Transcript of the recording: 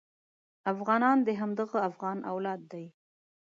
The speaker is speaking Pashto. افغانان د همدغه افغان اولاد دي.